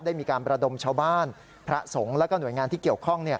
ได้มีการประดมชาวบ้านพระสงฆ์แล้วก็หน่วยงานที่เกี่ยวข้อง